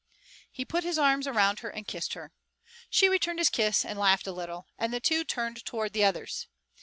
He put his arms around her and kissed her. She returned his kiss, laughed a little, and the two turned toward the others.